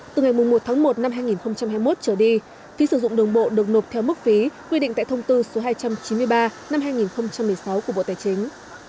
từ ngày một tháng một năm hai nghìn hai mươi một trở đi phí sử dụng đường bộ được nộp theo mức phí quy định tại thông tư số hai trăm chín mươi ba năm hai nghìn một mươi sáu của bộ tài chính